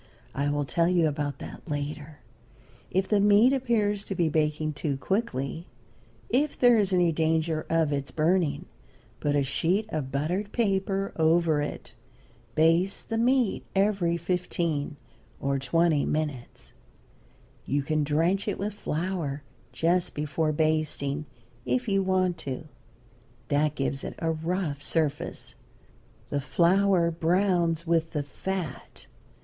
I will tell you about that later. If the meat appears to be baking too quickly, if there is any danger of its burning, put a sheet of buttered paper over it. Baste the meat every fifteen or twenty minutes. You can drench it with flour, just before basting, if you want to. That gives it a rough surface. The flour browns with the fat.